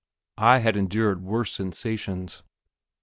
I had endured worse sensations.